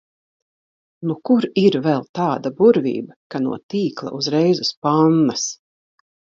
Nu kur ir vēl tāda burvība, ka no tīkla uzreiz uz pannas?